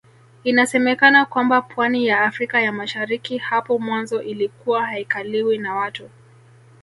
Inasemekana kwamba pwani ya Afrika ya Mashariki hapo mwanzo ilikuwa haikaliwi na watu